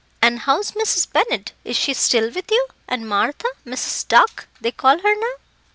And how's Mrs. Bennett, is she still with you, and Martha, Mrs. Tuck they call her now?"